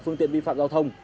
phương tiện vi phạm giao thông